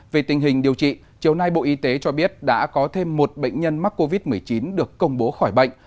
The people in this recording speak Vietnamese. về tình hình điều trị chiều nay bộ y tế cho biết đã có thêm một bệnh nhân mắc covid một mươi chín được công bố khỏi bệnh